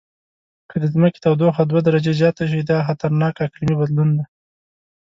که د ځمکې تودوخه دوه درجې زیاته شي، دا خطرناک اقلیمي بدلون دی.